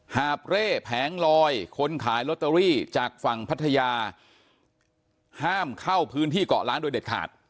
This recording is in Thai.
หาบเร่แผงลอยคนขายลอตเตอรี่จากฝั่งพัทยาห้ามเข้าพื้นที่เกาะล้างโดยเด็ดขาด